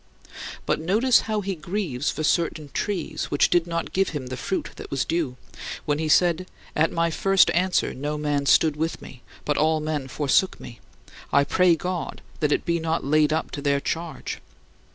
But notice how he grieves for certain "trees," which did not give him the fruit that was due, when he said, "At my first answer no man stood with me, but all men forsook me: I pray God, that it be not laid up to their charge."